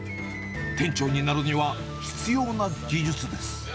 店長になるには、必要な技術です。